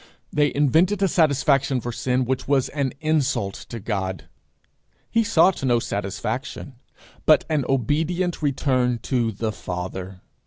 They invented a satisfaction for sin which was an insult to God. He sought no satisfaction, but an obedient return to the Father.